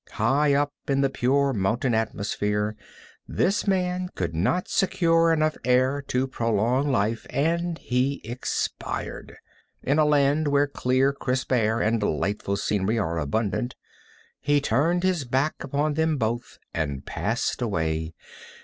High up in the pure mountain atmosphere, this man could not secure enough air to prolong life, and he expired. In a land where clear, crisp air and delightful scenery are abundant, he turned his back upon them both and passed away.